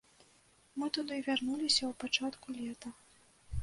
Мы туды вярнуліся ў пачатку лета.